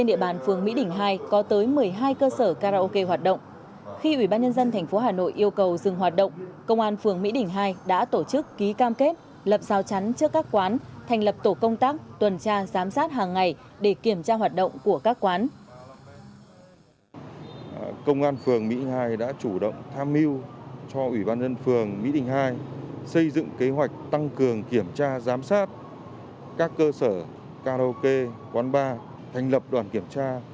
dùng kế hoạch tăng cường kiểm tra giám sát các cơ sở karaoke quán bar thành lập đoàn kiểm tra